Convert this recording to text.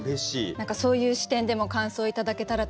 何かそういう視点でも感想頂けたらと思います。